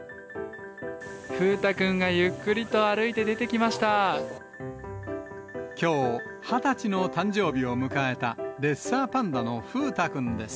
風太くんがゆっくりと歩いてきょう、２０歳の誕生日を迎えたレッサーパンダの風太くんです。